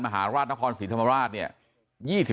มหาราชนครศรีธรรมราชเนี่ย